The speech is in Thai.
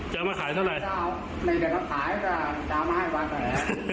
จะมาขายเท่าไหร่ไม่ได้เอาไม่ได้เอาขายก็จะมาให้ว่าแบบนี้